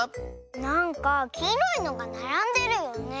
なんかきいろいのがならんでるよね。